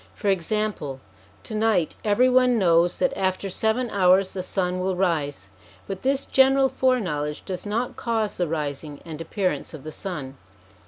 For example, to night every one knows that after seven hours the sun will rise; but this general fore knowledge does not cause the rising and appearance of the sun.